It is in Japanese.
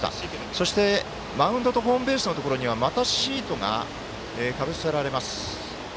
そしてマウンドとホームベースのところにまたシートが、かぶせられます。